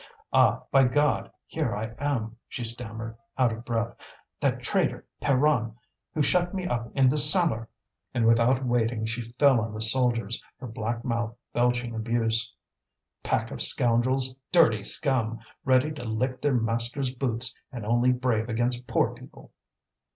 "Ah! by God! here I am," she stammered, out of breath; "that traitor Pierron, who shut me up in the cellar!" And without waiting she fell on the soldiers, her black mouth belching abuse. "Pack of scoundrels! dirty scum! ready to lick their masters' boots, and only brave against poor people!"